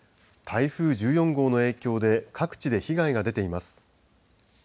台風１４号の影響で各地で被害が出ています。